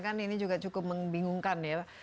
kan ini juga cukup membingungkan ya